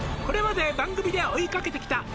「これまで番組で追いかけてきた」